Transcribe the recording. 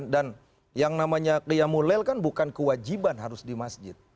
dan yang namanya qiyamul layl kan bukan kewajiban harus di masjid